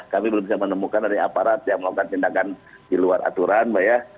kami belum bisa menemukan ada aparat yang melakukan tindakan di luar aturan mbak ya